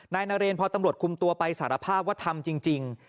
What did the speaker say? นายนาเรนพอตำรวจคุมตัวไปสารภาพว่าทำจริง